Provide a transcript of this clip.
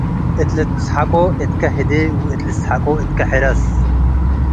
እት ልትሰሐቆ እትከ ህዴ ወእት ልትሰሐቆ እትከ ሕረስ።